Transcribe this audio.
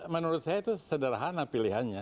menurut saya itu sederhana pilihannya